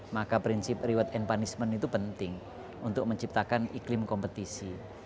maka prinsip reward and punishment itu penting untuk menciptakan iklim kompetisi